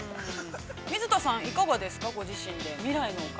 水田さん、いかがですか、ご自身で、未来の顔。